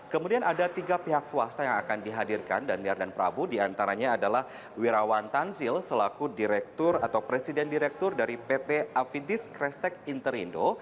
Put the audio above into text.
kemudian ada tiga pihak swasta yang akan dihadirkan daniar dan prabu diantaranya adalah wirawan tanzil selaku direktur atau presiden direktur dari pt afidis kresek interindo